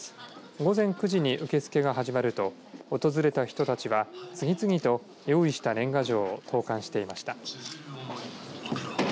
午前９時に受け付けが始まると訪れた人たちは次々と用意した年賀状を投かんしていました。